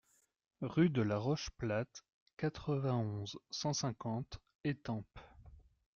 Rue de la Roche Plate, quatre-vingt-onze, cent cinquante Étampes